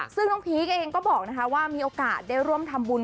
ซึ่งน้องพีคเองก็บอกว่ามีโอกาสได้ร่วมทำบุญ